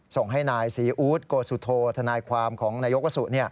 ส่งให้นายซีอู๊ดโกสุโธทนายความของนายกวสุ